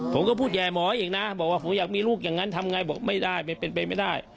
ผมก็พูดแย่หมออีกนะบอกว่าผมอยากมีลูกอย่างนั้นทำไงบอกไม่ได้ไม่เป็นไปไม่ได้